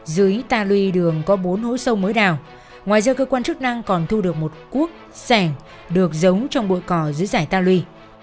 dưới ta lui đường có bốn hối sông mới đào ngoài ra cơ quan chức năng còn thu được một cuốc sẻng được giống trong bội cỏ dưới giải ta lui